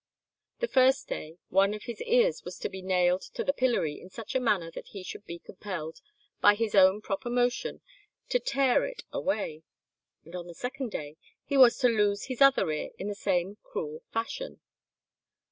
The first day one of his ears was to be nailed to the pillory in such a manner that he should be compelled "by his own proper motion" to tear it away; and on the second day he was to lose his other ear in the same cruel fashion.